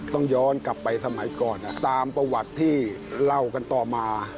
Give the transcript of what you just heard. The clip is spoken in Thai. ต้องย้อนกลับไปสมัยก่อนตามประวัติที่เล่ากันต่อมา